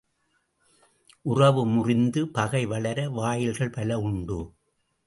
உறவு முறிந்து பகை வளர வாயில்கள் பல உண்டு.